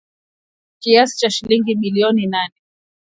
Kiasi cha shilingi bilioni nane